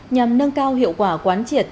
nhằm nâng cao hiệu quả quán triệt